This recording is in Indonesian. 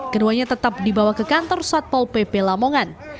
keduanya tetap dibawa ke kantor satpol pp lamongan